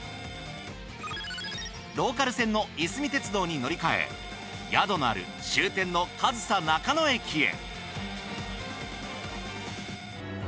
ローカル線のいすみ鉄道に乗り換え宿のある終点の上総中野駅へ。